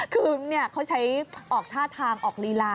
คือเขาใช้ออกท่าทางออกลีลา